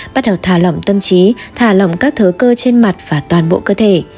bắt đầu thả lỏng tâm trí thả lỏng các thứ cơ trên mặt và toàn bộ cơ thể